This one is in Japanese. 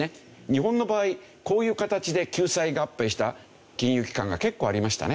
日本の場合こういう形で救済合併した金融機関が結構ありましたね。